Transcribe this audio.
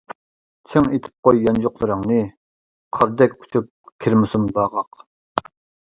چىڭ ئېتىپ قوي يانچۇقلىرىڭنى، قاردەك ئۇچۇپ كىرمىسۇن باغاق.